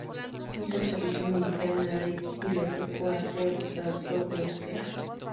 Hizo el servicio militar en Madrid y le tocó hacer de traductor de Euskera.